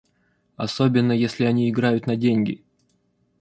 Особенно, если они играют на деньги.